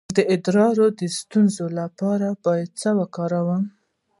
د ادرار د ستونزې لپاره باید څه وکړم؟